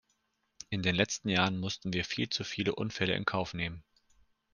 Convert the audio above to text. In den letzten Jahren mussten wir viel zu viele Unfälle in Kauf nehmen.